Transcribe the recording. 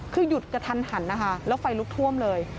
คือหยุดกระทันหันนะคะแล้วไฟลุกท่วมเลย